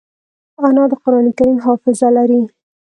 انا د قرانکریم حافظه لري